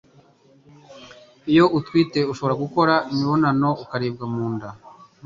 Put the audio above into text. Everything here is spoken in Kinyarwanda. iyo utwite ushobora gukora imibonano ukaribwa mu nda